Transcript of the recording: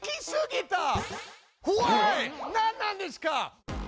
何なんですか！